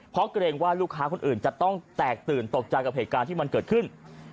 เพราะเกรงว่าลูกค้าคนอื่นจะต้องแตกตื่นตกใจกับเหตุการณ์ที่มันเกิดขึ้น